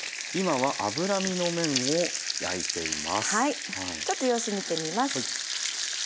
はいちょっと様子見てみます。